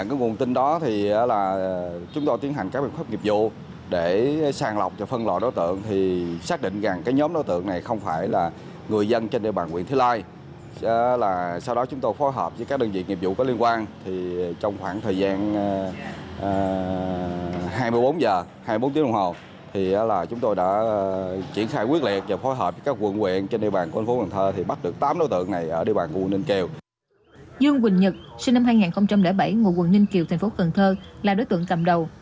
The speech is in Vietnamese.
dương quỳnh nhật sinh năm hai nghìn bảy ngộ quận ninh kiều thành phố cần thơ là đối tượng cầm đầu